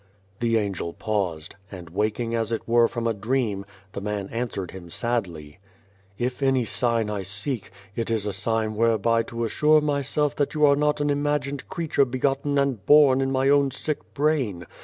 The Angel paused, and waking as it were from a dream, the man answered him sadly : 74 Beyond the Door "If any sign I seek, it is a sign whereby to assure myself that you are not an imagined creature begotten and born in my own sick brain.